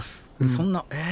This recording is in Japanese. そんなえ？